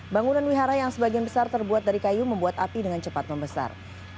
bangunan wihara yang sebagian besar terbuat dari kayu membuat api dengan cepat membesar